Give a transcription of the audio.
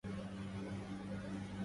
رب موصول هو الناي الذي